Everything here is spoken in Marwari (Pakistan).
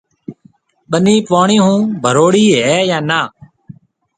ٻنِي پوڻِي هون ڀروڙِي هيَ يان نآ